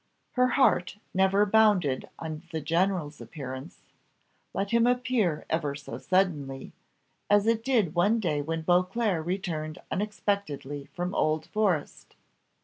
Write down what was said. Her heart never bounded on the general's appearance, let him appear ever so suddenly, as it did one day when Beauclerc returned unexpectedly from Old Forest.